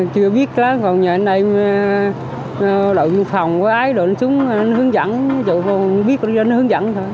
còn nhà này đợi phòng có ai đợi xuống hướng dẫn chủ phòng biết rồi hướng dẫn thôi